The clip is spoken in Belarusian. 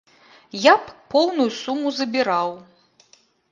Я б поўную суму забіраў.